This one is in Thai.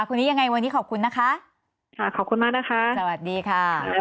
คนนี้ยังไงวันนี้ขอบคุณนะคะค่ะขอบคุณมากนะคะสวัสดีค่ะ